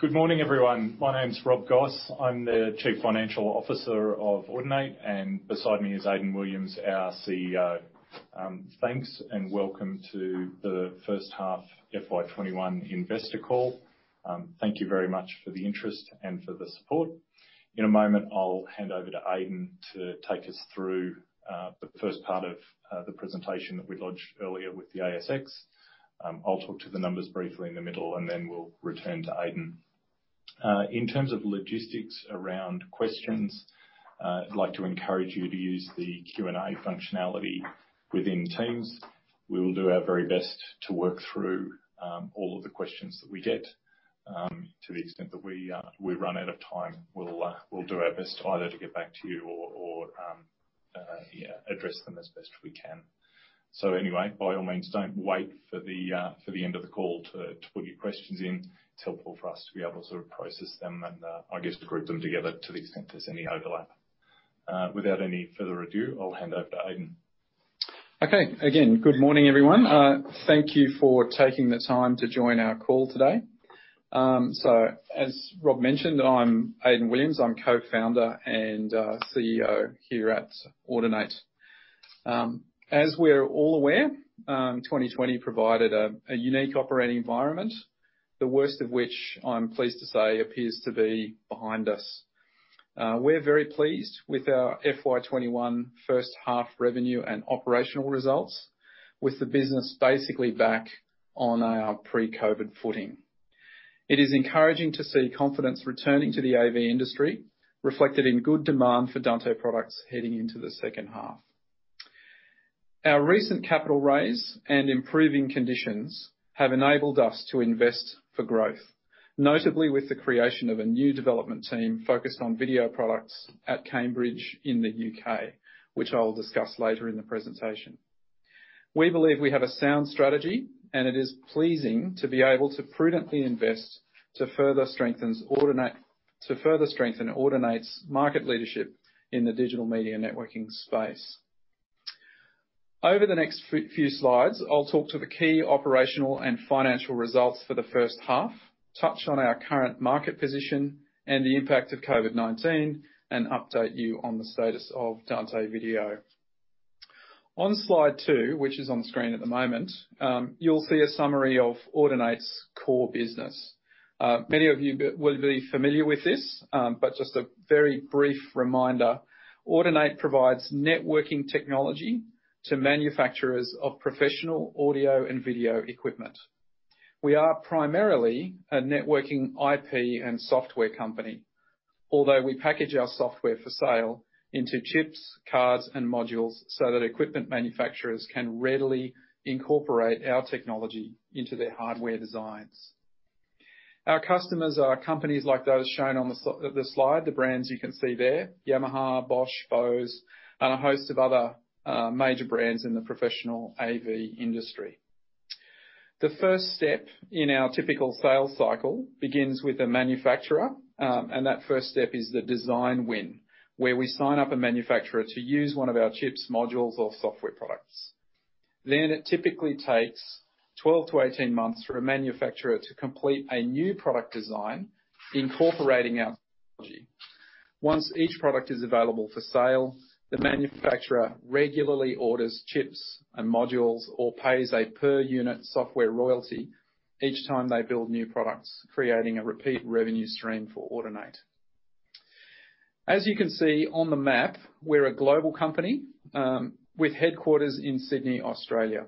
Good morning, everyone. My name's Rob Goss. I'm the Chief Financial Officer of Audinate, and beside me is Aidan Williams, our CEO. Thanks. Welcome to the first half FY 2021 Investor Call. Thank you very much for the interest and for the support. In a moment, I'll hand over to Aidan to take us through the first part of the presentation that we lodged earlier with the ASX. I'll talk to the numbers briefly in the middle. Then we'll return to Aidan. In terms of logistics around questions, I'd like to encourage you to use the Q&A functionality within Teams. We will do our very best to work through all of the questions that we get. To the extent that we run out of time, we'll do our best either to get back to you or address them as best we can. Anyway, by all means, don't wait for the end of the call to put your questions in. It's helpful for us to be able to process them and, I guess, to group them together to the extent there's any overlap. Without any further ado, I'll hand over to Aidan. Okay. Again, good morning, everyone. Thank you for taking the time to join our call today. As Rob mentioned, I'm Aidan Williams. I'm Co-Founder and CEO here at Audinate. As we're all aware, 2020 provided a unique operating environment. The worst of which, I'm pleased to say, appears to be behind us. We're very pleased with our FY 2021 first-half revenue and operational results, with the business basically back on our pre-COVID footing. It is encouraging to see confidence returning to the AV industry, reflected in good demand for Dante products heading into the second half. Our recent capital raise and improving conditions have enabled us to invest for growth, notably with the creation of a new development team focused on video products at Cambridge in the U.K., which I'll discuss later in the presentation. We believe we have a sound strategy, and it is pleasing to be able to prudently invest to further strengthen Audinate's market leadership in the digital media networking space. Over the next few slides, I'll talk to the key operational and financial results for the first half, touch on our current market position and the impact of COVID-19, and update you on the status of Dante video. On slide two, which is on screen at the moment, you'll see a summary of Audinate's core business. Many of you will be familiar with this, but just a very brief reminder. Audinate provides networking technology to manufacturers of professional audio and video equipment. We are primarily a networking IP and software company. Although we package our software for sale into chips, cards, and modules so that equipment manufacturers can readily incorporate our technology into their hardware designs. Our customers are companies like those shown on the slide, the brands you can see there, Yamaha, Bosch, Bose, and a host of other major brands in the professional AV industry. The first step in our typical sales cycle begins with a manufacturer, and that first step is the design win, where we sign up a manufacturer to use one of our chips, modules, or software products. It typically takes 12-18 months for a manufacturer to complete a new product design incorporating our technology. Once each product is available for sale, the manufacturer regularly orders chips and modules or pays a per-unit software royalty each time they build new products, creating a repeat revenue stream for Audinate. As you can see on the map, we're a global company with headquarters in Sydney, Australia.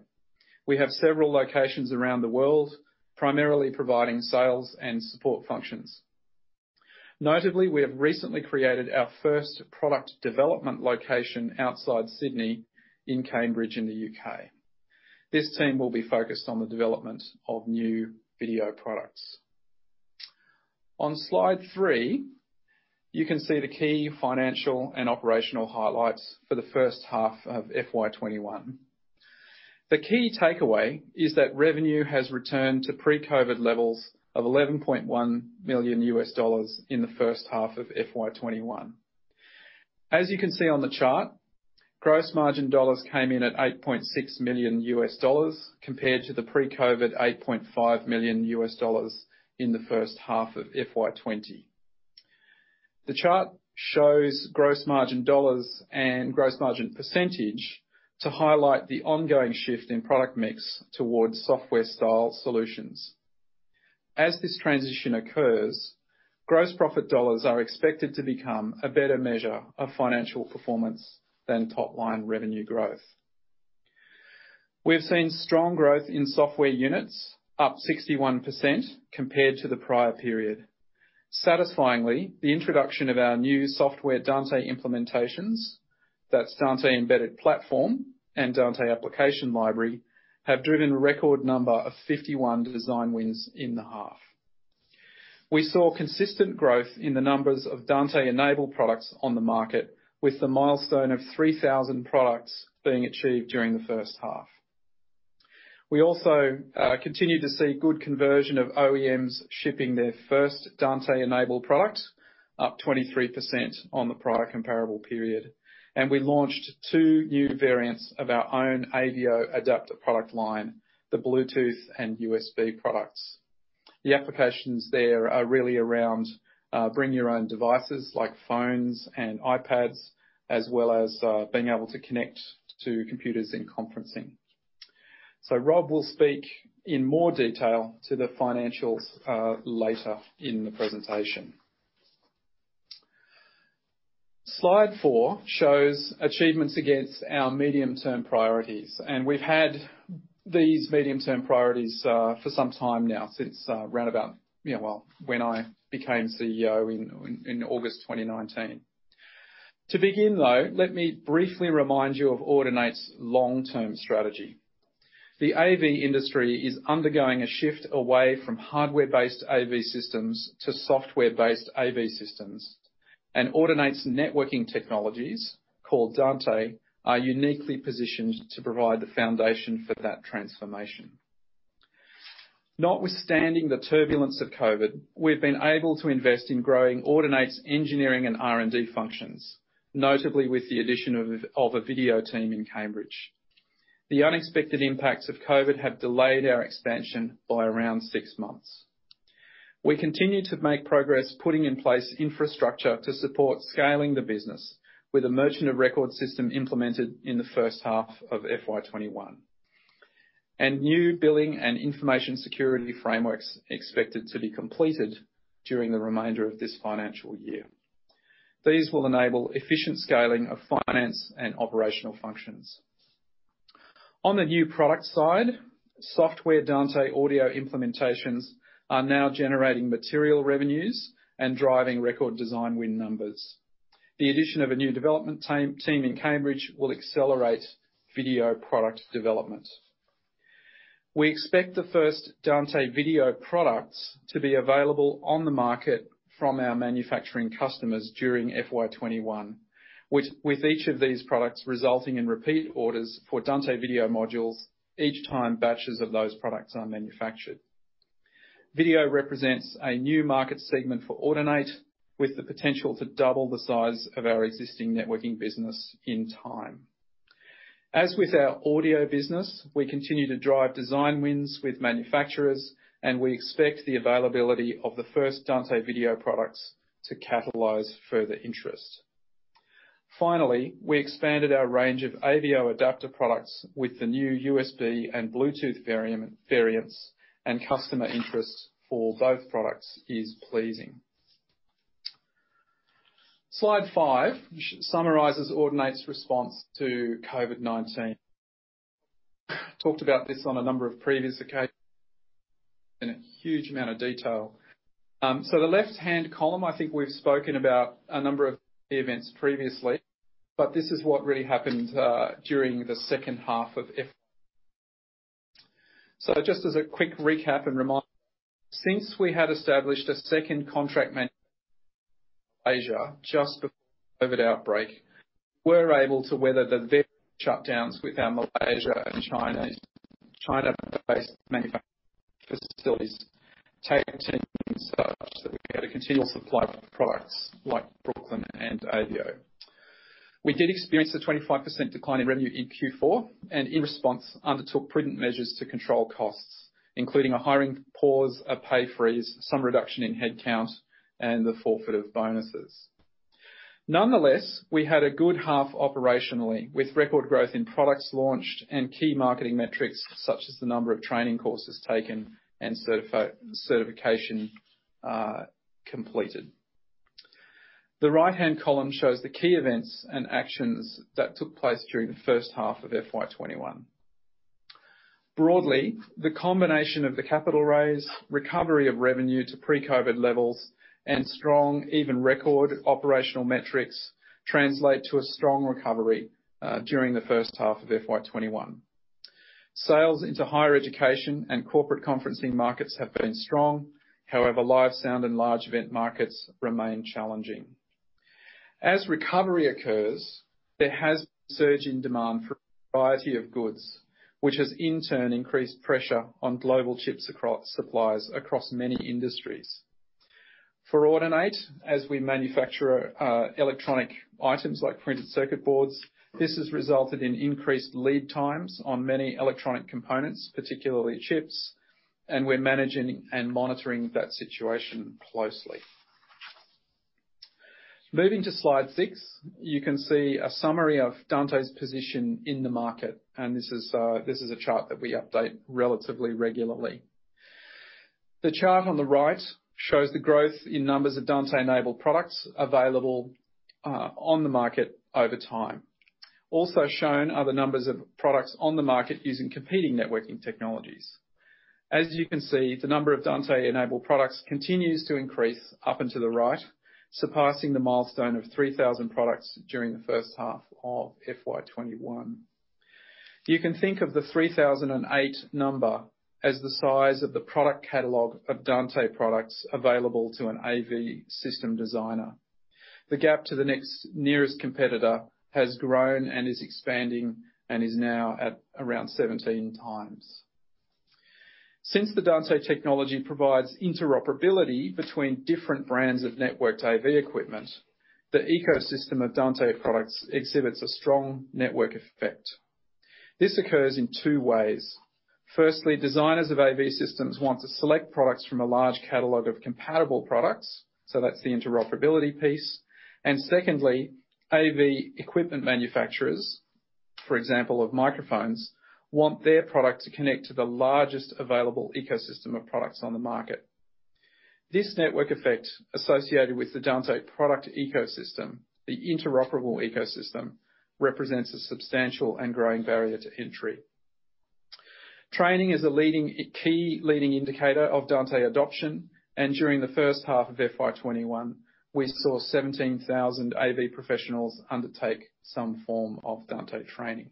We have several locations around the world, primarily providing sales and support functions. Notably, we have recently created our first product development location outside Sydney in Cambridge in the U.K. This team will be focused on the development of new video products. On slide three, you can see the key financial and operational highlights for the first half of FY 2021. The key takeaway is that revenue has returned to pre-COVID levels of $11.1 million in the first half of FY 2021. As you can see on the chart, gross margin dollars came in at $8.6 million compared to the pre-COVID $8.5 million in the first half of FY 2020. The chart shows gross margin dollars and gross margin percentage to highlight the ongoing shift in product mix towards software style solutions. As this transition occurs, gross profit dollars are expected to become a better measure of financial performance than top-line revenue growth. We have seen strong growth in software units, up 61% compared to the prior period. Satisfyingly, the introduction of our new software Dante implementations, that's Dante Embedded Platform and Dante Application Library, have driven a record number of 51 design wins in the half. We saw consistent growth in the numbers of Dante-enabled products on the market, with the milestone of 3,000 products being achieved during the first half. We also continued to see good conversion of OEMs shipping their first Dante-enabled product, up 23% on the prior comparable period. We launched two new variants of our own AVIO adapter product line, the Bluetooth and USB products. The applications there are really around bring your own devices, like phones and iPads, as well as being able to connect to computers in conferencing. Rob will speak in more detail to the financials later in the presentation. Slide four shows achievements against our medium-term priorities. We've had these medium-term priorities for some time now, since around about when I became CEO in August 2019. To begin, though, let me briefly remind you of Audinate's long-term strategy. The AV industry is undergoing a shift away from hardware-based AV systems to software-based AV systems. Audinate's networking technologies, called Dante, are uniquely positioned to provide the foundation for that transformation. Notwithstanding the turbulence of COVID, we've been able to invest in growing Audinate's engineering and R&D functions, notably with the addition of a video team in Cambridge. The unexpected impacts of COVID have delayed our expansion by around six months. We continue to make progress putting in place infrastructure to support scaling the business with a merchant of record system implemented in the first half of FY 2021, and new billing and information security frameworks expected to be completed during the remainder of this financial year. These will enable efficient scaling of finance and operational functions. On the new product side, software Dante audio implementations are now generating material revenues and driving record design win numbers. The addition of a new development team in Cambridge will accelerate video product development. We expect the first Dante video products to be available on the market from our manufacturing customers during FY 2021. With each of these products resulting in repeat orders for Dante video modules each time batches of those products are manufactured. Video represents a new market segment for Audinate, with the potential to double the size of our existing networking business in time. As with our audio business, we continue to drive design wins with manufacturers, and we expect the availability of the first Dante video products to catalyze further interest. Finally, we expanded our range of AVIO adapter products with the new USB and Bluetooth variants, and customer interest for both products is pleasing. Slide five summarizes Audinate's response to COVID-19. Talked about this on a number of previous occasions in a huge amount of detail. The left-hand column, I think we've spoken about a number of the events previously, but this is what really happened during the second half of FY. Just as a quick recap and reminder. Since we had established a second contract Asia just before COVID outbreak, we're able to weather the shutdowns with our Malaysia and China-based manufacturing facilities so that we can have a continual supply of products like Brooklyn and AVIO. We did experience a 25% decline in revenue in Q4, and in response, undertook prudent measures to control costs, including a hiring pause, a pay freeze, some reduction in headcount, and the forfeit of bonuses. Nonetheless, we had a good half operationally, with record growth in products launched and key marketing metrics, such as the number of training courses taken and certification completed. The right-hand column shows the key events and actions that took place during the first half of FY 2021. Broadly, the combination of the capital raise, recovery of revenue to pre-COVID levels, and strong even record operational metrics translate to a strong recovery during the first half of FY 2021. Sales into higher education and corporate conferencing markets have been strong. However, live sound and large event markets remain challenging. As recovery occurs, there has been a surge in demand for a variety of goods, which has in turn increased pressure on global chips suppliers across many industries. For Audinate, as we manufacture electronic items like printed circuit boards, this has resulted in increased lead times on many electronic components, particularly chips, and we're managing and monitoring that situation closely. Moving to slide six, you can see a summary of Dante's position in the market, and this is a chart that we update relatively regularly. The chart on the right shows the growth in numbers of Dante-enabled products available on the market over time. Also shown are the numbers of products on the market using competing networking technologies. As you can see, the number of Dante-enabled products continues to increase up and to the right, surpassing the milestone of 3,000 products during the first half of FY 2021. You can think of the 3,008 number as the size of the product catalog of Dante products available to an AV system designer. The gap to the next nearest competitor has grown and is expanding and is now at around 17x. Since the Dante technology provides interoperability between different brands of networked AV equipment, the ecosystem of Dante products exhibits a strong network effect. This occurs in two ways. Designers of AV systems want to select products from a large catalog of compatible products, so that's the interoperability piece. Secondly, AV equipment manufacturers, for example, of microphones, want their product to connect to the largest available ecosystem of products on the market. This network effect associated with the Dante product ecosystem, the interoperable ecosystem, represents a substantial and growing barrier to entry. Training is a key leading indicator of Dante adoption, and during the first half of FY 2021, we saw 17,000 AV professionals undertake some form of Dante training.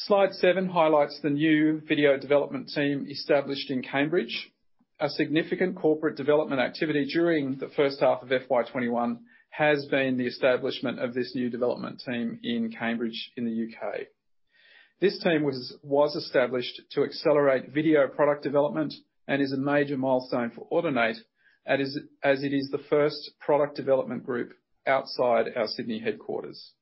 Slide seven highlights the new video development team established in Cambridge. A significant corporate development activity during the first half of FY 2021 has been the establishment of this new development team in Cambridge in the U.K. This team was established to accelerate video product development and is a major milestone for Audinate as it is the first product development group outside our Sydney headquarters.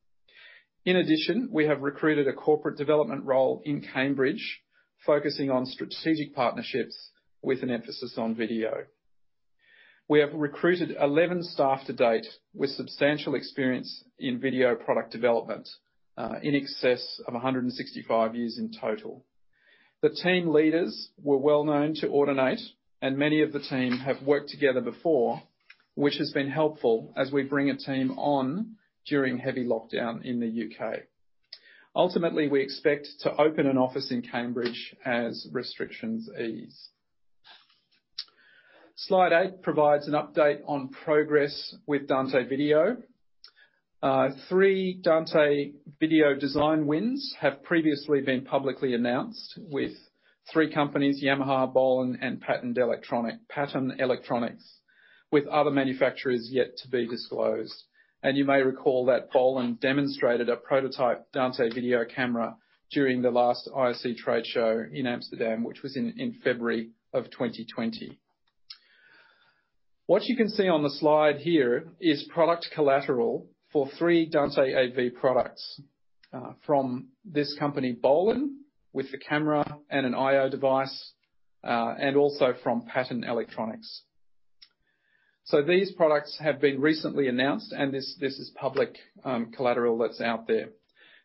In addition, we have recruited a corporate development role in Cambridge, focusing on strategic partnerships with an emphasis on video. We have recruited 11 staff-to-date with substantial experience in video product development, in excess of 165 years in total. The team leaders were well-known to Audinate, and many of the team have worked together before, which has been helpful as we bring a team on during heavy lockdown in the U.K. Ultimately, we expect to open an office in Cambridge as restrictions ease. Slide eight provides an update on progress with Dante Video. Three Dante Video design wins have previously been publicly announced with three companies, Yamaha, Bolin, and Patton Electronics, with other manufacturers yet to be disclosed. You may recall that Bolin demonstrated a prototype Dante video camera during the last ISE trade show in Amsterdam, which was in February of 2020. What you can see on the slide here is product collateral for three Dante AV products. From this company, Bolin, with the camera and an IO device, and also from Patton Electronics. These products have been recently announced, and this is public collateral that's out there.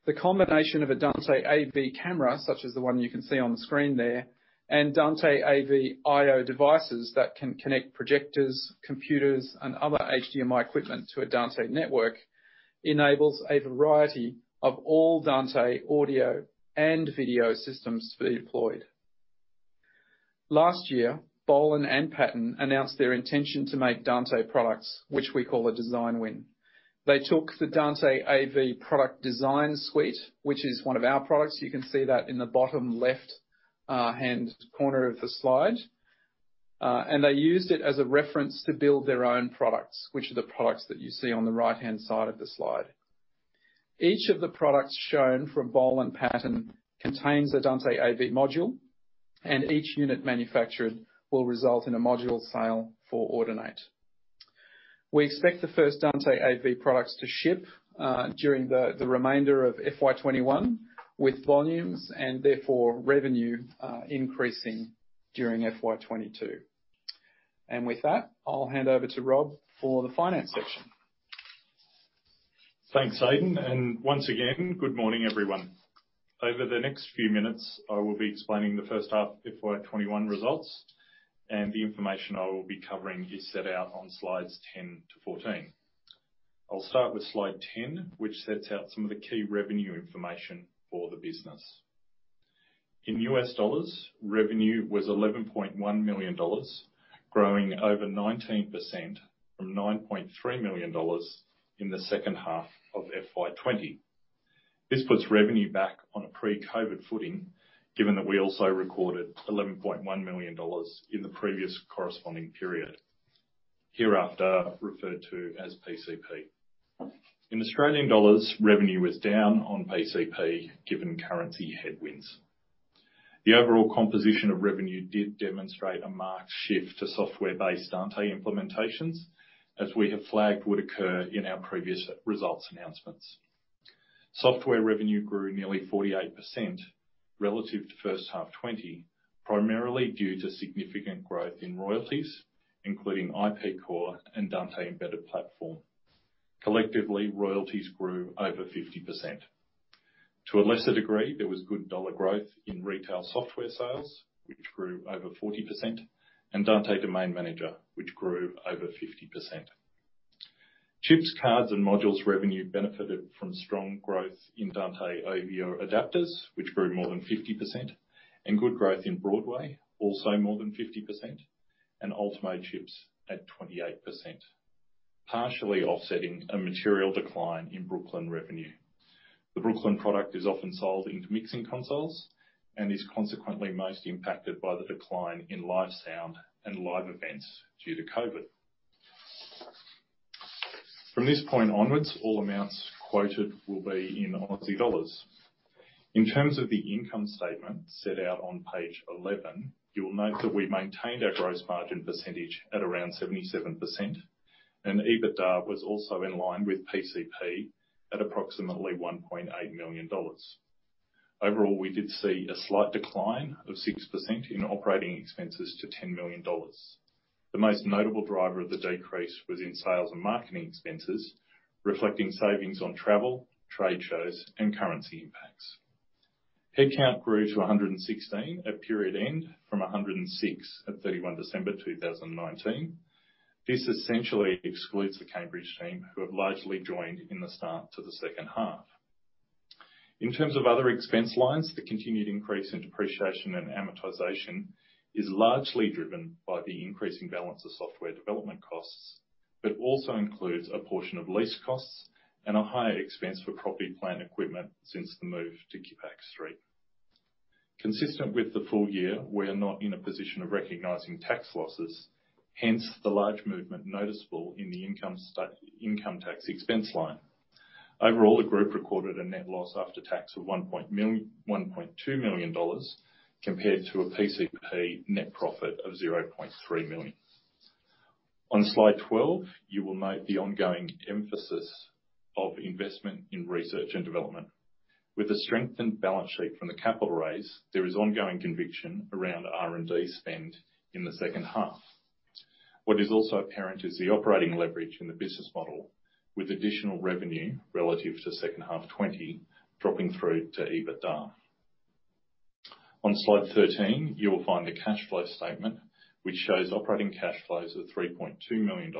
The combination of a Dante AV camera, such as the one you can see on the screen there, and Dante AV IO devices that can connect projectors, computers, and other HDMI equipment to a Dante network, enables a variety of all Dante audio and video systems to be deployed. Last year, Bolin and Patton announced their intention to make Dante products, which we call a design win. They took the Dante AV Product Design Suite, which is one of our products. You can see that in the bottom left-hand corner of the slide. They used it as a reference to build their own products, which are the products that you see on the right-hand side of the slide. Each of the products shown from Bolin and Patton contains a Dante AV Module, and each unit manufactured will result in a module sale for Audinate. We expect the first Dante AV products to ship during the remainder of FY 2021, with volumes and therefore revenue increasing during FY 2022. With that, I'll hand over to Rob for the finance section. Thanks, Aidan, and once again, good morning, everyone. Over the next few minutes, I will be explaining the first half of FY 2021 results, and the information I will be covering is set out on slides 10-14. I'll start with slide 10, which sets out some of the key revenue information for the business. In U.S. Dollars, revenue was $11.1 million, growing over 19% from $9.3 million in the second half of FY 2020. This puts revenue back on a pre-COVID footing, given that we also recorded $11.1 million in the previous corresponding period, hereafter referred to as PCP. In Australian dollars, revenue was down on PCP given currency headwinds. The overall composition of revenue did demonstrate a marked shift to software-based Dante implementations, as we have flagged would occur in our previous results announcements. Software revenue grew nearly 48% relative to first half 2020, primarily due to significant growth in royalties, including IP Core and Dante Embedded Platform. Collectively, royalties grew over 50%. To a lesser degree, there was good dollar growth in retail software sales, which grew over 40%, and Dante Domain Manager, which grew over 50%. Chips, cards, and modules revenue benefited from strong growth in Dante AVIO adapters, which grew more than 50%, and good growth in Broadway, also more than 50%, and Ultimo chips at 28%, partially offsetting a material decline in Brooklyn revenue. The Brooklyn product is often sold into mixing consoles and is consequently most impacted by the decline in live sound and live events due to COVID. From this point onwards, all amounts quoted will be in AUD. In terms of the income statement set out on page 11, you will note that we maintained our gross margin percentage at around 77%, and EBITDA was also in line with PCP at approximately $1.8 million. Overall, we did see a slight decline of 6% in operating expenses to $10 million. The most notable driver of the decrease was in sales and marketing expenses, reflecting savings on travel, trade shows, and currency impacts. Headcount grew to 116 at period end from 106 at 31 December 2019. This essentially excludes the Cambridge team, who have largely joined in the start to the second half. In terms of other expense lines, the continued increase in depreciation and amortization is largely driven by the increasing balance of software development costs, but also includes a portion of lease costs and a higher expense for property plant equipment since the move to Kippax Street. Consistent with the full year, we are not in a position of recognizing tax losses, hence the large movement noticeable in the income tax expense line. Overall, the group recorded a net loss after tax of $1.2 million compared to a PCP net profit of $0.3 million. On slide 12, you will note the ongoing emphasis of investment in research and development. With a strengthened balance sheet from the capital raise, there is ongoing conviction around R&D spend in the second half. What is also apparent is the operating leverage in the business model, with additional revenue relative to second half FY 2020 dropping through to EBITDA. On slide 13, you will find the cash flow statement, which shows operating cash flows of $3.2 million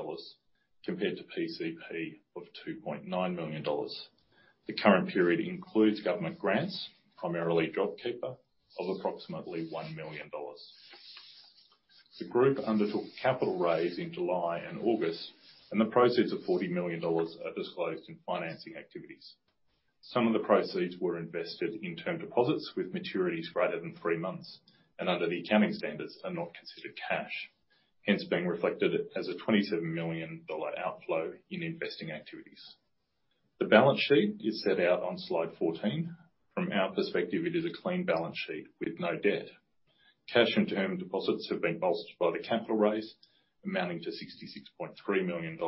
compared to PCP of $2.9 million. The current period includes government grants, primarily JobKeeper, of approximately $1 million. The group undertook a capital raise in July and August, and the proceeds of 40 million dollars are disclosed in financing activities. Some of the proceeds were invested in term deposits with maturities greater than three months, and under the accounting standards, are not considered cash, hence being reflected as a $27 million outflow in investing activities. The balance sheet is set out on slide 14. From our perspective, it is a clean balance sheet with no debt. Cash and term deposits have been bolstered by the capital raise, amounting to $66.3 million,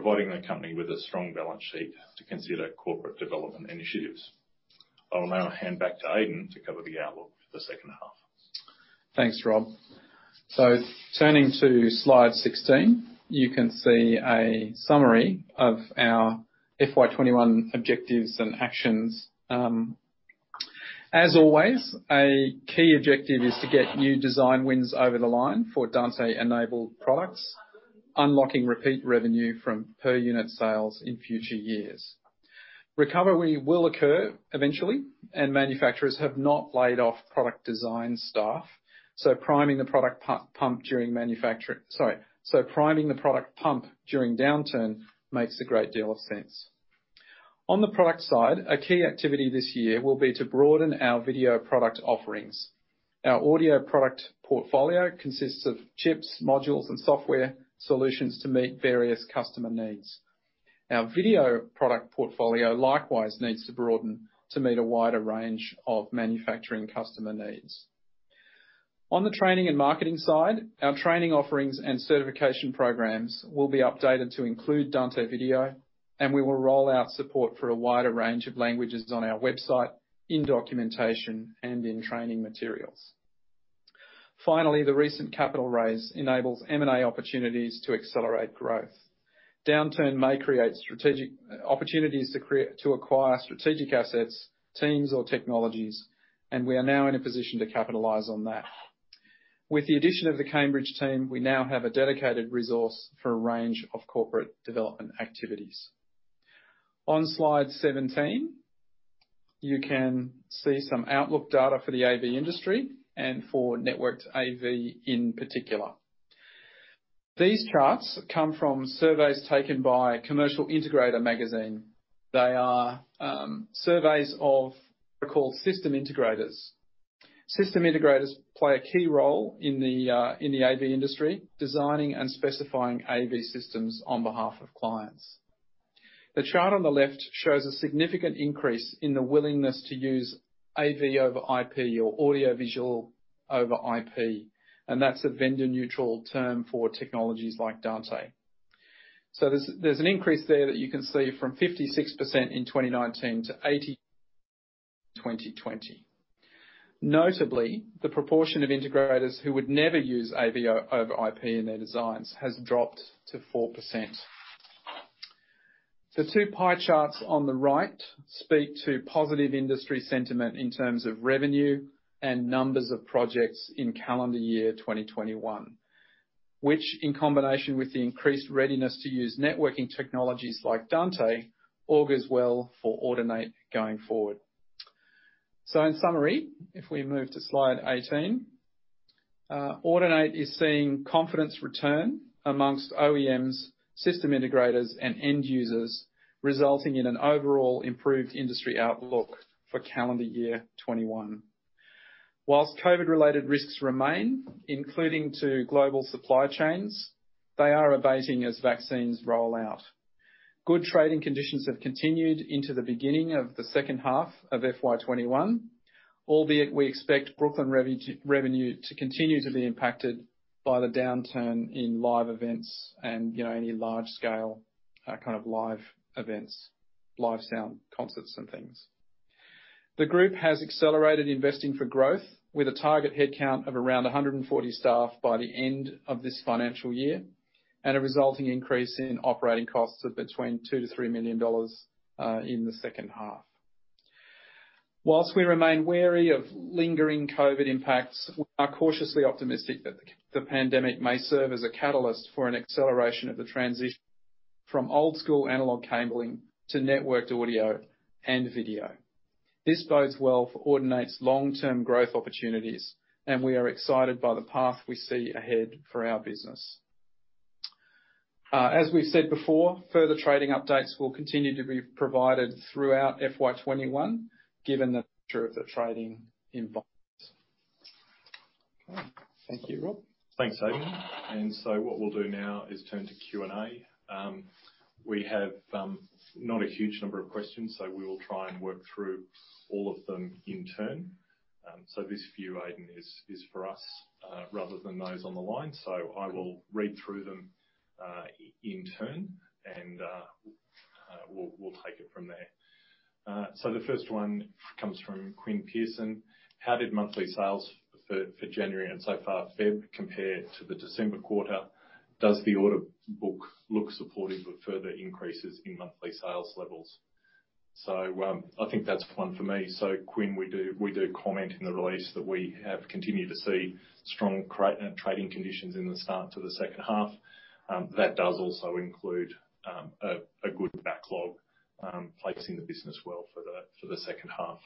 providing the company with a strong balance sheet to consider corporate development initiatives. I will now hand back to Aidan to cover the outlook for the second half. Thanks, Rob. Turning to slide 16, you can see a summary of our FY 2021 objectives and actions. As always, a key objective is to get new design wins over the line for Dante-enabled products, unlocking repeat revenue from per-unit sales in future years. Recovery will occur eventually, and manufacturers have not laid off product design staff, so priming the product pump during downturn makes a great deal of sense. On the product side, a key activity this year will be to broaden our video product offerings. Our audio product portfolio consists of chips, modules, and software solutions to meet various customer needs. Our video product portfolio likewise needs to broaden to meet a wider range of manufacturing customer needs. On the training and marketing side, our training offerings and certification programs will be updated to include Dante video, and we will roll out support for a wider range of languages on our website, in documentation, and in training materials. Finally, the recent capital raise enables M&A opportunities to accelerate growth. Downturn may create strategic opportunities to acquire strategic assets, teams, or technologies, and we are now in a position to capitalize on that. With the addition of the Cambridge team, we now have a dedicated resource for a range of corporate development activities. On slide 17, you can see some outlook data for the AV industry and for networked AV in particular. These charts come from surveys taken by Commercial Integrator Magazine. They are surveys of what are called system integrators. System integrators play a key role in the AV industry, designing and specifying AV systems on behalf of clients. The chart on the left shows a significant increase in the willingness to use AV over IP or audiovisual over IP, and that's a vendor-neutral term for technologies like Dante. There's an increase there that you can see from 56% in 2019 to 80% in 2020. Notably, the proportion of integrators who would never use AV over IP in their designs has dropped to 4%. The two pie charts on the right speak to positive industry sentiment in terms of revenue and numbers of projects in calendar year 2021. In combination with the increased readiness to use networking technologies like Dante, augurs well for Audinate going forward. In summary, if we move to slide 18, Audinate is seeing confidence return amongst OEMs, system integrators, and end users, resulting in an overall improved industry outlook for calendar year 2021. Whilst COVID related risks remain, including to global supply chains, they are abating as vaccines roll out. Good trading conditions have continued into the beginning of the second half of FY 2021, albeit we expect Brooklyn revenue to continue to be impacted by the downturn in live events and any large scale kind of live events, live sound concerts and things. The group has accelerated investing for growth with a target head count of around 140 staff by the end of this financial year, and a resulting increase in operating costs of between $2 million-$3 million in the second half. Whilst we remain wary of lingering COVID impacts, we are cautiously optimistic that the pandemic may serve as a catalyst for an acceleration of the transition from old school analog cabling to networked audio and video. This bodes well for Audinate's long-term growth opportunities, and we are excited by the path we see ahead for our business. As we've said before, further trading updates will continue to be provided throughout FY 2021, given the nature of the trading environment. Okay. Thank you, Rob. Thanks, Aidan. What we'll do now is turn to Q&A. We have not a huge number of questions, so we will try and work through all of them in turn. This few, Aidan, is for us, rather than those on the line. I will read through them, in turn and, we'll take it from there. The first one comes from Quinn Pierson. How did monthly sales for January and so far Feb compare to the December quarter? Does the order book look supportive of further increases in monthly sales levels? I think that's one for me. Quinn, we do comment in the release that we have continued to see strong trading conditions in the start to the second half. That does also include a good backlog, placing the business well for the second half.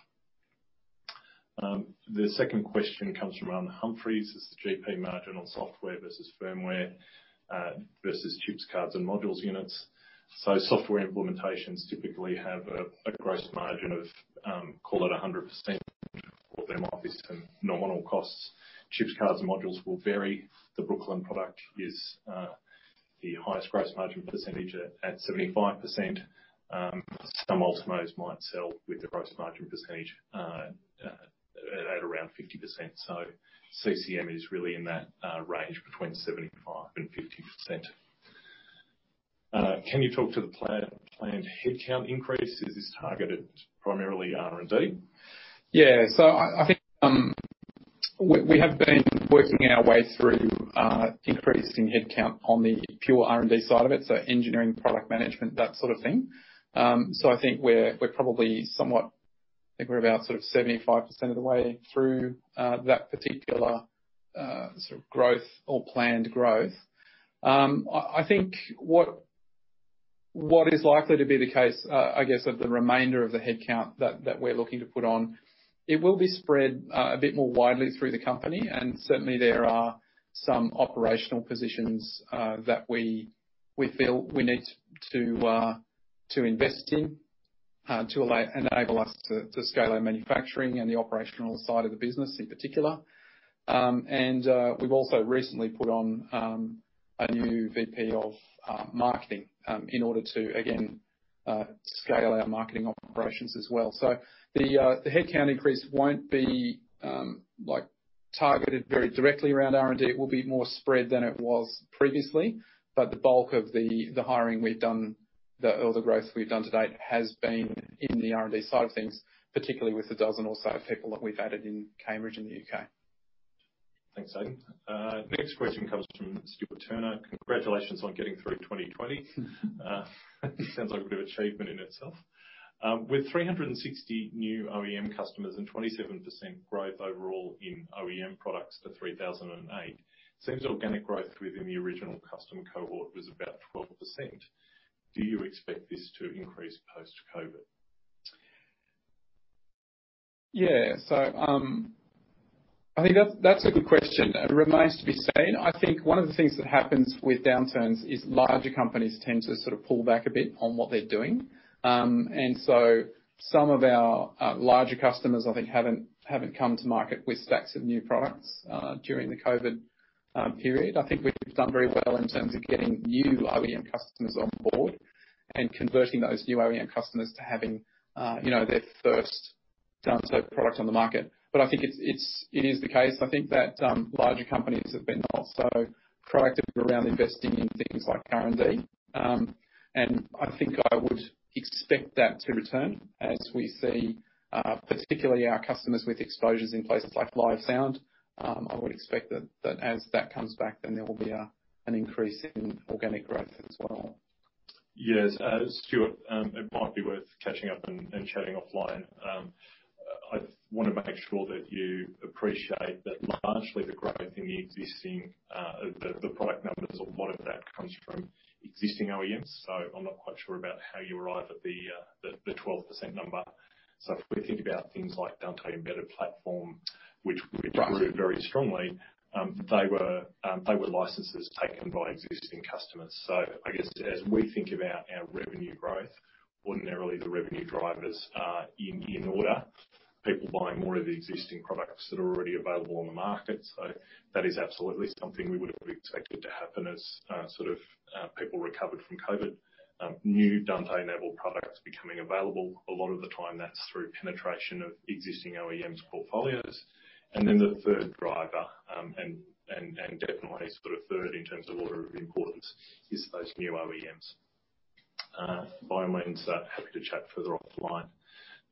The second question comes from Alan Humphries. What's the GP margin on software versus firmware, versus chips, cards, and modules units? Software implementations typically have a gross margin of, call it 100%, or there might be some nominal costs. Chips, cards, and modules will vary. The Brooklyn product is the highest gross margin percentage at 75%. Some Ultimos might sell with a gross margin percentage at around 50%. CCM is really in that range between 75% and 50%. Can you talk to the planned headcount increase? Is this targeted primarily R&D? Yeah. I think we have been working our way through increasing headcount on the pure R&D side of it, so engineering, product management, that sort of thing. I think we're about sort of 75% of the way through that particular growth or planned growth. I think what is likely to be the case, I guess of the remainder of the headcount that we're looking to put on, it will be spread a bit more widely through the company and certainly there are some operational positions that we feel we need to invest in to enable us to scale our manufacturing and the operational side of the business in particular. We've also recently put on a new VP of Marketing in order to, again, scale our marketing operations as well. The headcount increase won't be targeted very directly around R&D. It will be more spread than it was previously, but the bulk of the hiring we've done or the growth we've done to date has been in the R&D side of things, particularly with the 12 or so people that we've added in Cambridge in the U.K. Thanks, Aidan. Next question comes from Stuart Turner. Congratulations on getting through 2020. Sounds like a bit of achievement in itself. With 360 new OEM customers and 27% growth overall in OEM products to 3,008, it seems organic growth within the original custom cohort was about 12%. Do you expect this to increase post-COVID? Yeah. I think that's a good question. It remains to be seen. I think one of the things that happens with downturns is larger companies tend to pull back a bit on what they're doing. Some of our larger customers, I think, haven't come to market with stacks of new products during the COVID period. I think we've done very well in terms of getting new OEM customers on board and converting those new OEM customers to having their first Dante product on the market. I think it is the case. I think that larger companies have been not so proactive around investing in things like R&D. I think I would expect that to return as we see, particularly our customers with exposures in places like live sound. I would expect that as that comes back, then there will be an increase in organic growth as well. Yes. Stuart, it might be worth catching up and chatting offline. I want to make sure that you appreciate that largely the growth in the existing, the product numbers, a lot of that comes from existing OEMs. I'm not quite sure about how you arrive at the 12% number. If we think about things like Dante Embedded Platform, which grew very strongly, they were licenses taken by existing customers. I guess as we think about our revenue growth, ordinarily the revenue drivers are in order: people buying more of the existing products that are already available on the market. That is absolutely something we would have expected to happen as people recovered from COVID. New Dante-enabled products becoming available. A lot of the time that's through penetration of existing OEMs portfolios. The third driver, and definitely sort of third in terms of order of importance, is those new OEMs. By all means, happy to chat further offline.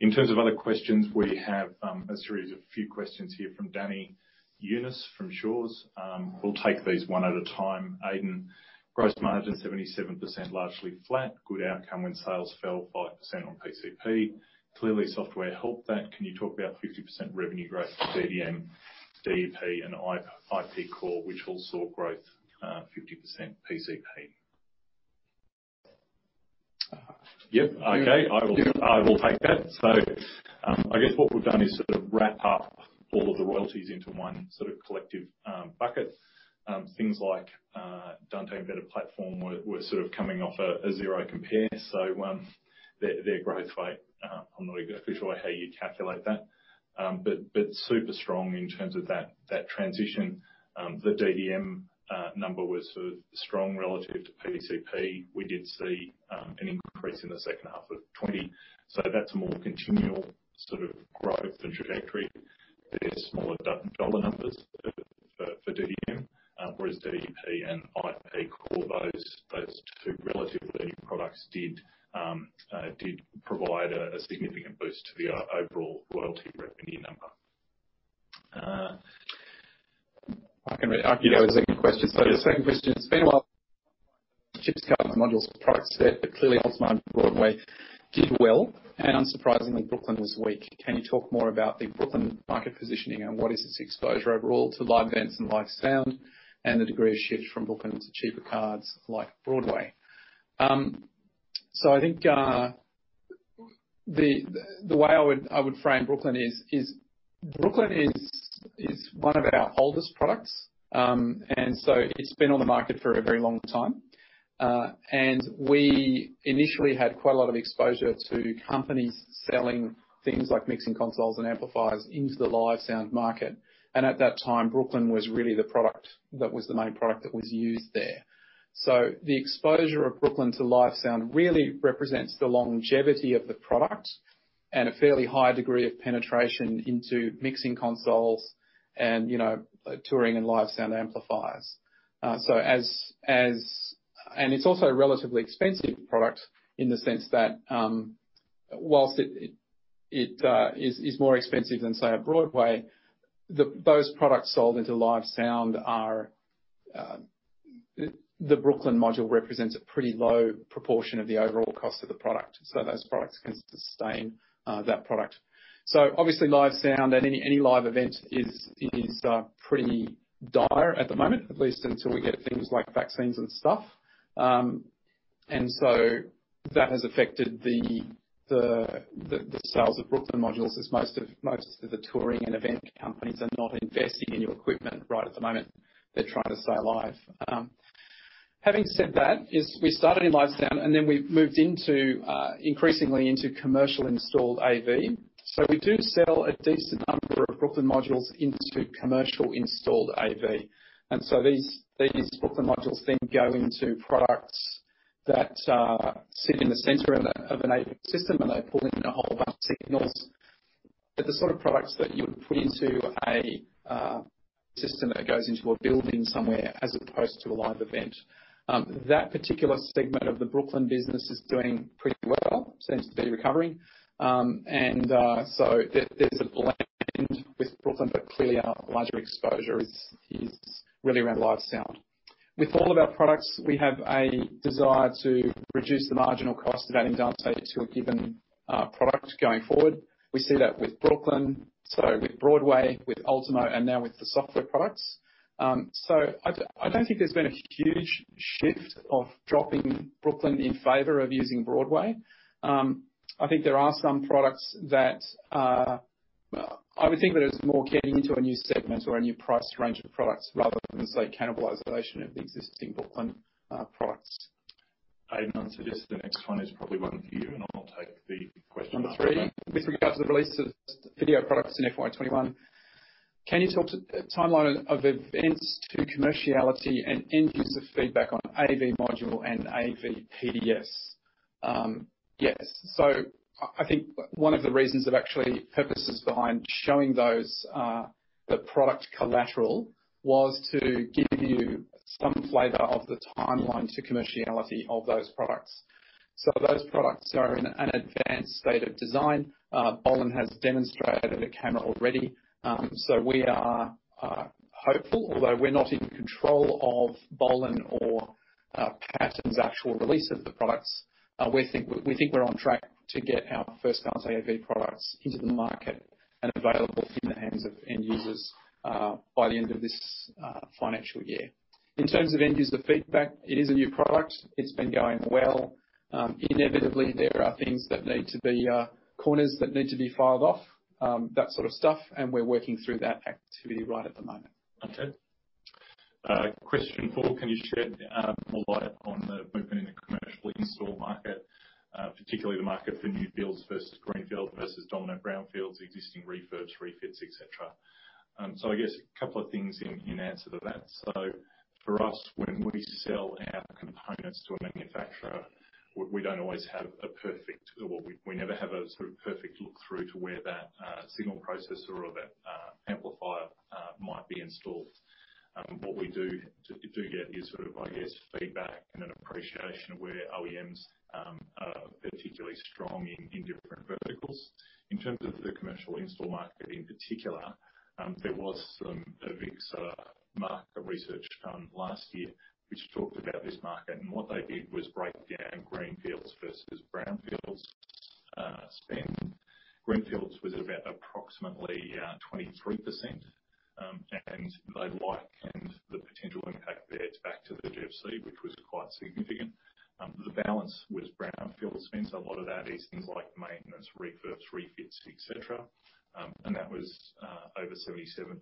In terms of other questions, we have a series of few questions here from Danny Younes from Shaw and Partners. We'll take these one at a time. Aidan, gross margin 77%, largely flat, good outcome when sales fell 5% on PCP. Clearly software helped that. Can you talk about 50% revenue growth for DDM, DEP, and IP Core, which all saw growth, 50% PCP? Yep. Okay. I will take that. I guess what we've done is sort of wrap up all of the royalties into one collective bucket. Things like Dante Embedded Platform were sort of coming off a zero compare. Their growth rate, I'm not even quite sure how you'd calculate that. Super strong in terms of that transition. The DDM number was sort of strong relative to PCP. We did see an increase in the second half of 2020. That's a more continual sort of growth and trajectory. They're smaller dollar numbers for DDM. DEP and IP Core, those two relatively new products did provide a significant boost to the overall royalty revenue number. I can read. I can go the second question. Yes. The second question. It's been a while since chips cards modules products set, but clearly Ultimo and Broadway did well, and unsurprisingly Brooklyn was weak. Can you talk more about the Brooklyn market positioning and what is its exposure overall to live events and live sound, and the degree of shift from Brooklyn to cheaper cards like Broadway? I think the way I would frame Brooklyn is, Brooklyn is one of our oldest products. It's been on the market for a very long time. We initially had quite a lot of exposure to companies selling things like mixing consoles and amplifiers into the live sound market. At that time, Brooklyn was really the product that was the main product that was used there. The exposure of Brooklyn to live sound really represents the longevity of the product and a fairly high degree of penetration into mixing consoles and touring and live sound amplifiers. It's also a relatively expensive product in the sense that, whilst it is more expensive than, say, a Broadway, The Brooklyn module represents a pretty low proportion of the overall cost of the product. Those products can sustain that product. Obviously live sound and any live event is pretty dire at the moment, at least until we get things like vaccines and stuff. That has affected the sales of Brooklyn modules, as most of the touring and event companies are not investing in new equipment right at the moment. They're trying to stay alive. Having said that, is we started in live sound, then we've moved increasingly into commercial installed AV. We do sell a decent number of Brooklyn modules into commercial installed AV. These Brooklyn modules then go into products that sit in the center of an AV system, and they pull in a whole bunch of signals. They're the sort of products that you would put into a system that goes into a building somewhere, as opposed to a live event. That particular segment of the Brooklyn business is doing pretty well. Seems to be recovering. There's a blend with Brooklyn, but clearly our larger exposure is really around live sound. With all of our products, we have a desire to reduce the marginal cost of adding Dante to a given product going forward. We see that with Brooklyn, so with Broadway, with Ultimo, and now with the software products. I don't think there's been a huge shift of dropping Brooklyn in favor of using Broadway. I would think of it as more getting into a new segment or a new price range of products, rather than, say, cannibalization of the existing Brooklyn products. Aidan, I suggest the next one is probably one for you, and I'll take the question after that. Number three. With regards to the release of video products in FY 2021, can you talk to the timeline of events to commerciality and end user feedback on Dante AV Module and Dante AV Product Design Suite? Yes. I think one of the reasons of actual purposes behind showing those, the product collateral, was to give you some flavor of the timeline to commerciality of those products. Those products are in an advanced state of design. Bolin has demonstrated a camera already. We are hopeful, although we're not in control of Bolin or Patton's actual release of the products. We think we're on track to get our first Dante AV products into the market and available in the hands of end users, by the end of this financial year. In terms of end user feedback, it is a new product. It's been going well. Inevitably, there are things that need to be, corners that need to be filed off, that sort of stuff, and we're working through that activity right at the moment. Okay. Question four: Can you shed more light on the movement in the commercial install market, particularly the market for new builds versus greenfield versus dominant brownfields, existing refurbs, refits, et cetera? I guess a couple of things in answer to that. For us, when we sell our components to a manufacturer, we don't always have a perfect Well, we never have a sort of perfect look through to where that signal processor or that amplifier might be installed. What we do get is feedback and an appreciation of where OEMs are particularly strong in different verticals. In terms of the commercial install market in particular, there was some AVIXA market research done last year, which talked about this market. What they did was break down greenfields versus brownfields spend. Greenfields was about approximately 23%. They like the potential impact there back to the GFC, which was quite significant. The balance was brownfield spend. A lot of that is things like maintenance, refurbs, refits, et cetera. That was over 77%.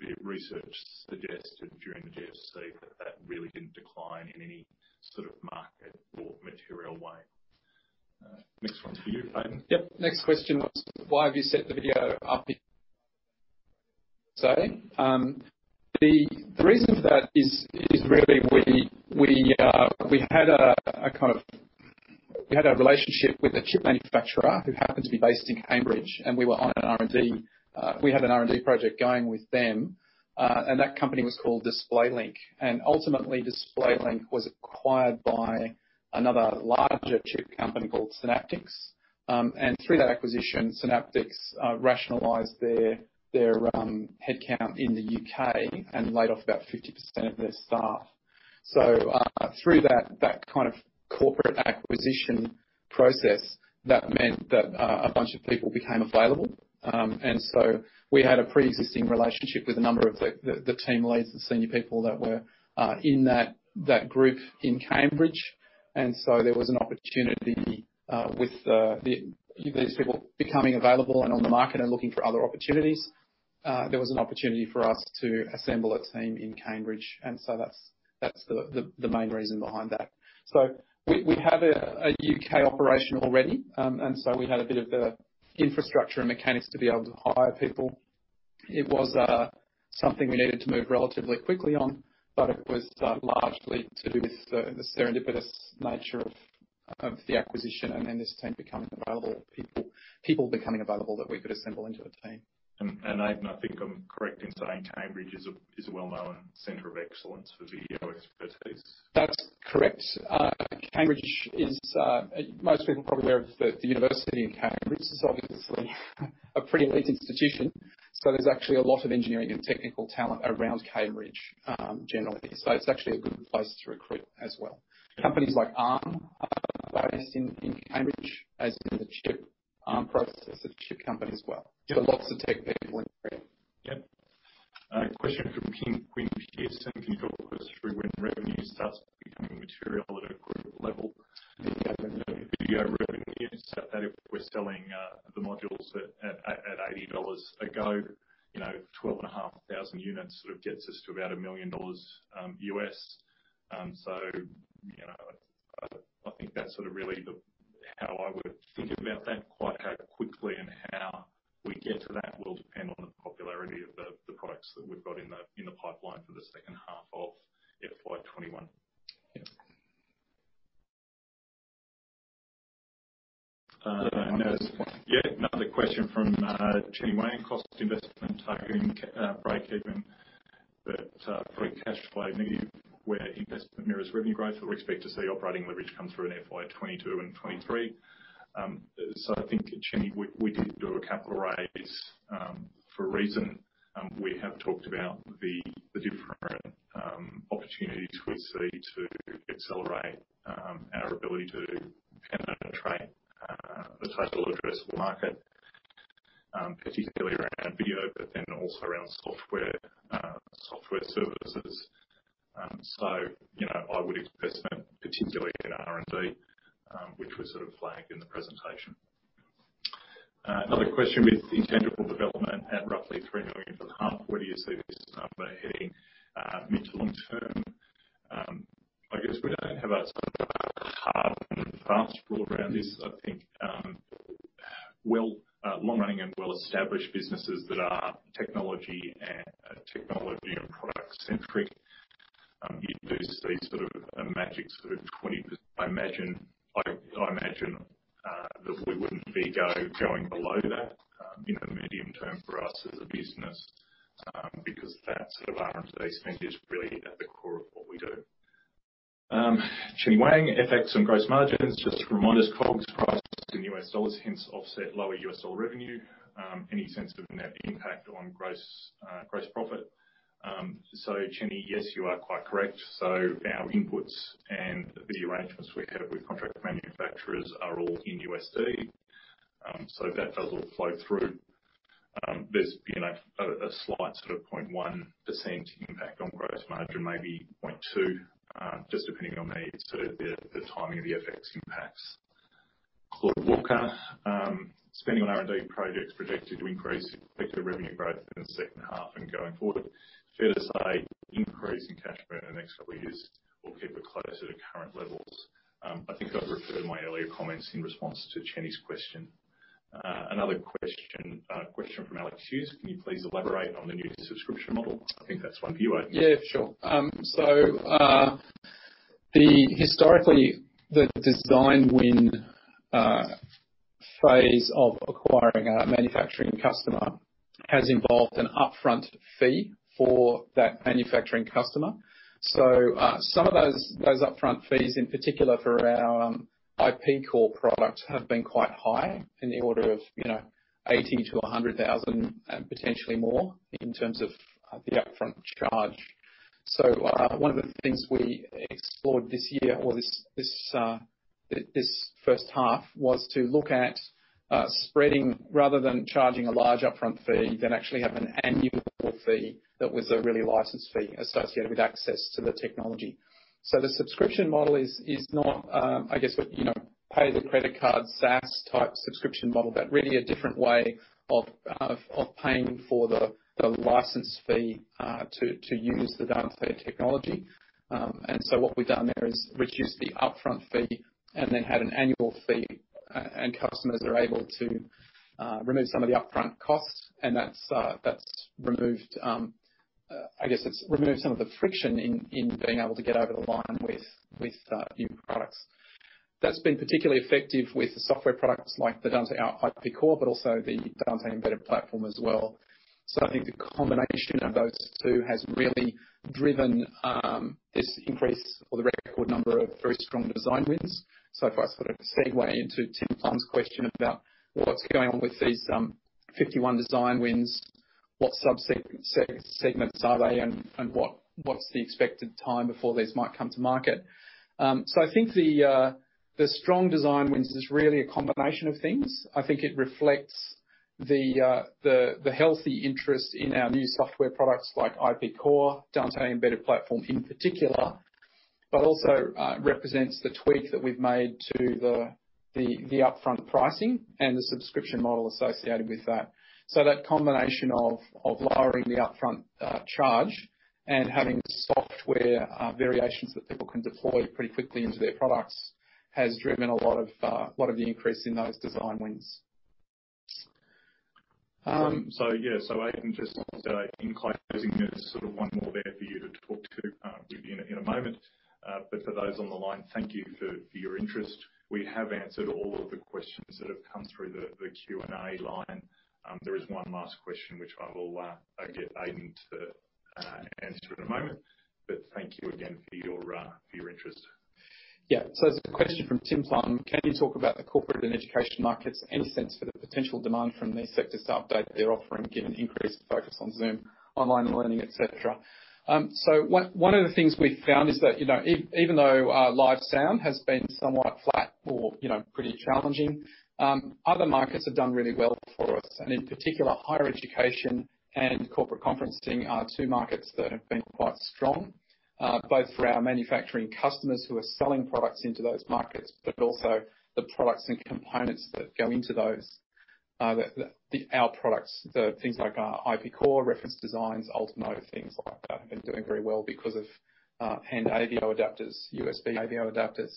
The research suggested during the GFC that that really didn't decline in any sort of market or material way. Next one's for you, Aidan. Yep. Next question was, why have you set the video up in say? The reason for that is really we had a relationship with a chip manufacturer who happened to be based in Cambridge, and we had an R&D project going with them. That company was called DisplayLink. Ultimately, DisplayLink was acquired by another larger chip company called Synaptics. Through that acquisition, Synaptics rationalized their headcount in the U.K. and laid off about 50% of their staff. Through that kind of corporate acquisition process, that meant that a bunch of people became available. We had a preexisting relationship with a number of the team leads, the senior people that were in that group in Cambridge. There was an opportunity with these people becoming available and on the market and looking for other opportunities. There was an opportunity for us to assemble a team in Cambridge. That's the main reason behind that. We had a U.K. operation already, and we had a bit of the infrastructure and mechanics to be able to hire people. It was something we needed to move relatively quickly on, but it was largely to do with the serendipitous nature of the acquisition and then this team becoming available, people becoming available that we could assemble into a team. Aidan, I think I'm correct in saying Cambridge is a well-known center of excellence for video expertise. That's correct. Most people are probably aware of the university in Cambridge. It's obviously a pretty elite institution. There's actually a lot of engineering and technical talent around Cambridge generally. It's actually a good place to recruit as well. Companies like Arm are based in Cambridge, as in the chip, Arm processor chip company as well. Lots of tech people in Cambridge. Yep. Question from Quinn Pierson. Can you talk us through when revenue starts becoming material at a group level? The video revenue, we're selling the modules at $80 a go. 12,500 units sort of gets us to about $1 million. I think that's sort of really how I would think about that. Quite how quickly and how we get to that will depend on the popularity of the products that we've got in the pipeline for the second half of FY 2021. Yep. Another question from Jenny Wang. Cost investment targeting breakeven, free cash flow negative where investment mirrors revenue growth. We expect to see operating leverage come through in FY 2022 and FY 2023. I think, Jenny, we did do a capital raise for a reason. We have talked about the different opportunities we see to accelerate our ability to penetrate the total addressable market, particularly around video, also around software services. I would invest that particularly in R&D, which was sort of flagged in the presentation. Another question. With intangible development at roughly $3 million for the half, where do you see this number heading mid to long-term? I guess we don't have a hard and fast rule around this. I think long-running and well-established businesses that are technology and product centric, you do see sort of a magic sort of 20%. I imagine that we wouldn't be going below that in the medium-term for us as a business, because that sort of R&D spend is really at the core of what we do. Jenny Wang. Effects on gross margins. Just remind us, COGS prices in U.S. dollars hence offset lower U.S. dollar revenue. Any sense of a net impact on gross profit? Jenny, yes, you are quite correct. Our inputs and the arrangements we have with contract manufacturers are all in USD. That does all flow through. There's been a slight sort of 0.1% impact on gross margin, maybe 0.2, just depending on the sort of the timing of the FX impacts. Claude Walker. Spending on R&D projects projected to increase revenue growth in the second half and going forward. Fair to say increase in cash burn the next couple of years will keep it close to the current levels? I think I've referred my earlier comments in response to Jenny's question. Another question from Alex Hughes. Can you please elaborate on the new subscription model? I think that's one for you, Aidan. Yeah, sure. Historically, the design win phase of acquiring a manufacturing customer has involved an upfront fee for that manufacturing customer. Some of those upfront fees, in particular for our IP Core product, have been quite high in the order of $80,000-$100,000 and potentially more in terms of the upfront charge. One of the things we explored this year or this first half was to look at spreading rather than charging a large upfront fee, then actually have an annual fee that was a really license fee associated with access to the technology. The subscription model is not pay the credit card SaaS type subscription model, but really a different way of paying for the license fee to use the Dante technology. What we've done there is reduce the upfront fee and then had an annual fee, and customers are able to remove some of the upfront costs. That's removed some of the friction in being able to get over the line with new products. That's been particularly effective with the software products like the Dante IP Core, but also the Dante Embedded Platform as well. I think the combination of those two has really driven this increase or the record number of very strong design wins. If I sort of segue into Tim Plumbe's question about what's going on with these 51 design wins, what subsegments are they and what's the expected time before these might come to market? I think the strong design wins is really a combination of things. I think it reflects the healthy interest in our new software products like IP Core, Dante Embedded Platform in particular, but also represents the tweak that we've made to the upfront pricing and the subscription model associated with that. That combination of lowering the upfront charge and having software variations that people can deploy pretty quickly into their products has driven a lot of the increase in those design wins. Aidan, just in closing, there's one more there for you to talk to in a moment. For those on the line, thank you for your interest. We have answered all of the questions that have come through the Q&A line. There is one last question which I will get Aidan to answer in a moment. Thank you again for your interest. It's a question from Tim Plumbe. Can you talk about the corporate and education markets? Any sense for the potential demand from these sectors to update their offering, given increased focus on Zoom, online learning, et cetera? One of the things we've found is that even though live sound has been somewhat flat or pretty challenging, other markets have done really well for us. In particular, higher education and corporate conferencing are two markets that have been quite strong, both for our manufacturing customers who are selling products into those markets, but also the products and components that go into those. Our products, the things like our Dante IP Core reference designs, Dante Ultimo, things like that have been doing very well because of AVIO adapters, USB AVIO adapters.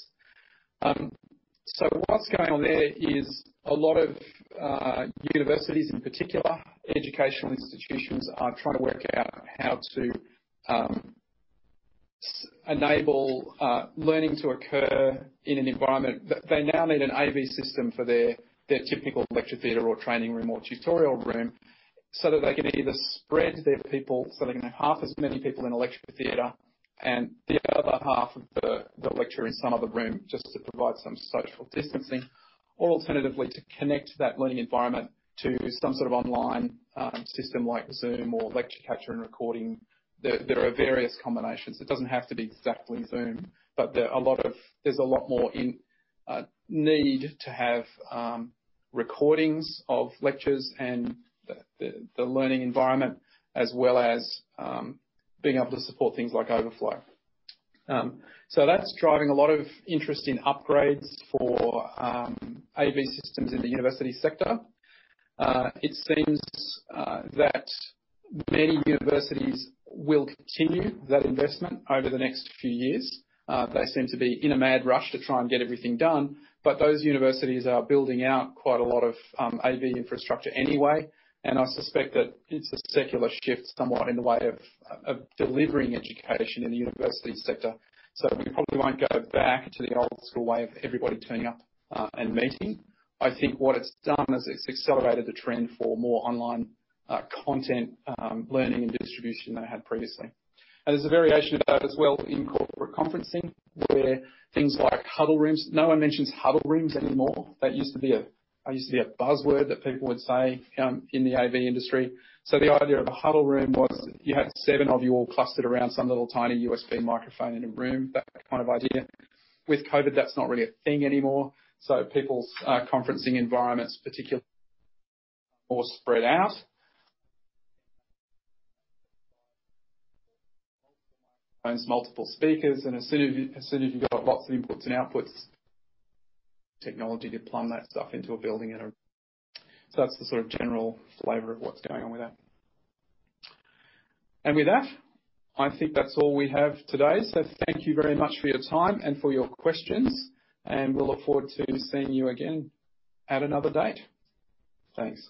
What's going on there is a lot of universities, in particular educational institutions, are trying to work out how to enable learning to occur in an environment that they now need an AV system for their typical lecture theater or training room or tutorial room, so that they can either spread their people, so they can have half as many people in a lecture theater and the other half of the lecture in some other room just to provide some social distancing. Or alternatively, to connect that learning environment to some sort of online system like Zoom or lecture capture and recording. There are various combinations. It doesn't have to be exactly Zoom. There's a lot more need to have recordings of lectures and the learning environment, as well as being able to support things like overflow. That's driving a lot of interest in upgrades for AV systems in the university sector. It seems that many universities will continue that investment over the next few years. They seem to be in a mad rush to try and get everything done. Those universities are building out quite a lot of AV infrastructure anyway, and I suspect that it's a secular shift somewhat in the way of delivering education in the university sector. We probably won't go back to the old school way of everybody turning up and meeting. I think what it's done is it's accelerated the trend for more online content learning and distribution than they had previously. There's a variation of that as well in corporate conferencing, where things like huddle rooms. No one mentions huddle rooms anymore. That used to be a buzzword that people would say in the AV industry. The idea of a huddle room was you had seven of you all clustered around some little tiny USB microphone in a room, that kind of idea. With COVID, that's not really a thing anymore. People's conferencing environments particularly are more spread out. Multiple speakers, as soon as you've got lots of inputs and outputs technology to plumb that stuff into a building. That's the general flavor of what's going on with that. With that, I think that's all we have today. Thank you very much for your time and for your questions, and we'll look forward to seeing you again at another date. Thanks.